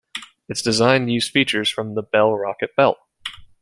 Its design used features from the Bell Rocket Belt.